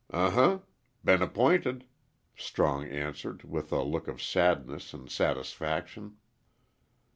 "Uh huh been app'inted," Strong answered, with a look of sadness and satisfaction.